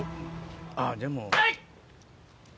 あっでも。